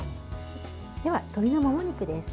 では、鶏のもも肉です。